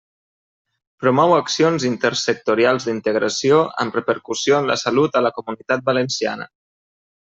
Promou accions intersectorials d'integració amb repercussió en la salut a la Comunitat Valenciana.